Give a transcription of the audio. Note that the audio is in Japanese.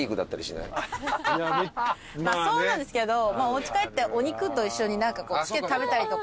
そうなんですけどおうち帰ってお肉と一緒につけて食べたりとか。